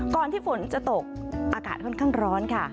ที่ฝนจะตกอากาศค่อนข้างร้อนค่ะ